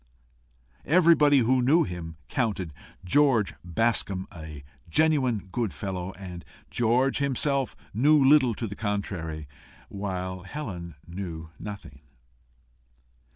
Everybody who knew him, counted George Bascombe a genuine good fellow, and George himself knew little to the contrary, while Helen knew nothing.